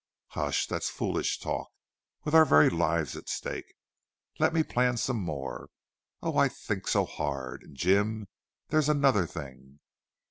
"Hush! That's foolish talk, with our very lives at stake. Let me plan some more. Oh, I think so hard!... And, Jim, there's another thing.